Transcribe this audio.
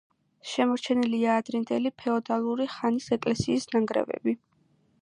შემორჩენილია ადრინდელი ფეოდალური ხანის ეკლესიის ნანგრევები.